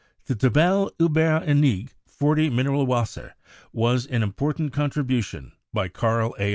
The 'Tabelle iiber einige 40 Mineralwasser' was an important contribution by Carl A.